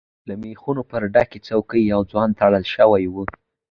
له ميخونو پر ډکې څوکی يو ځوان تړل شوی و.